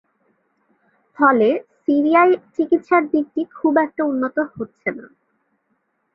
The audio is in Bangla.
ফলে সিরিয়ায় চিকিৎসার দিকটি খুব একটা উন্নত হচ্ছে না।